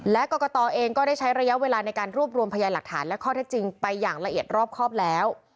และกรกตเองก็ได้ใช้ระยะเวลาในการรวบรวมพยานหลักฐานและข้อเท็จจริงไปอย่างละเอียดรอบครอบแล้ว